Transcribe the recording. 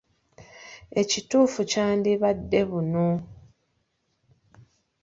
Ekituufu kyandibadde ‘buno.’